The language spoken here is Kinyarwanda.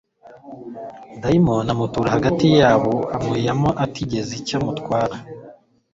Daimoni amutura hagati yabo, amuyamo atagize icyo amutwara. »